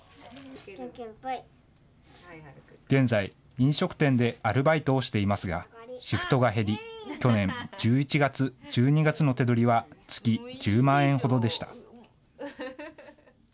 現在、飲食店でアルバイトをしていますが、シフトが減り、去年１１月、１２月の手取りは、月１０万円ほどでした。